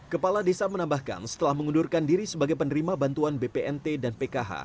kepala desa menambahkan setelah mengundurkan diri sebagai penerima bantuan bpnt dan pkh